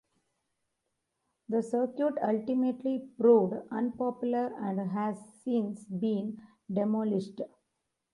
The circuit ultimately proved unpopular and has since been demolished.